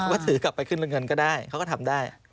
ว่าถือกลับไปขึ้นเป็นเงินก็ได้เขาก็ทำได้